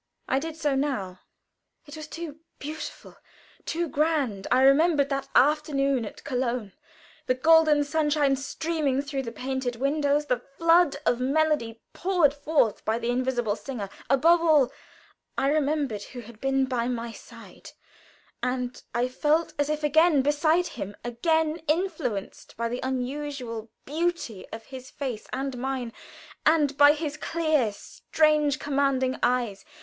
I did so now. It was too beautiful, too grand. I remembered that afternoon at Köln the golden sunshine streaming through the painted windows, the flood of melody poured forth by the invisible singer; above all, I remembered who had been by my side, and I felt as if again beside him again influenced by the unusual beauty of his face and mien, and by his clear, strange, commanding eyes.